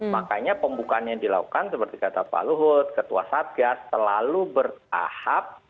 makanya pembukaannya dilakukan seperti kata pak luhut ketua satya selalu bertahap